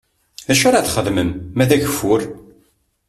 D acu ara txedmem ma d ageffur?